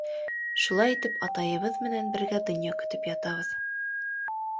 Шулай итеп атайыбыҙ менән бергә донъя көтөп ятабыҙ.